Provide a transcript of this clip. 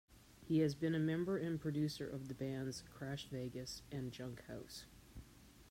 He has been a member and producer of the bands Crash Vegas and Junkhouse.